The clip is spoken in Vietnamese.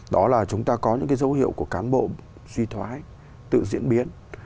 đó là chúng ta có những dấu hiệu của cán bộ suy thoái tự diễn biến